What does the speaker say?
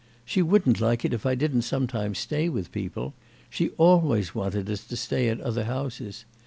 She wouldn't like it if I didn't sometimes stay with people; she always wanted us to stay at other houses.